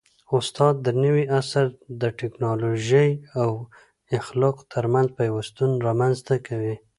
استاد د نوي عصر د ټیکنالوژۍ او اخلاقو ترمنځ پیوستون رامنځته کوي.